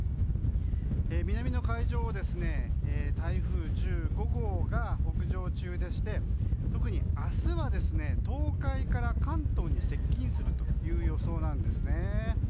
南の海上を台風１５号が北上中でして特に明日は、東海から関東に接近する予想です。